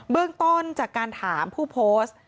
เรื่องต้นจากการถามผู้โพสต์